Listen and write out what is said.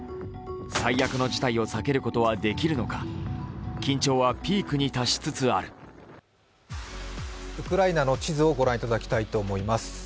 最悪の事態を避けることはできるのか、緊張はピークに達しつつあるウクライナの地図を御覧いただきたいと思います。